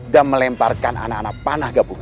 dan melemparkan anak anak panah gabungan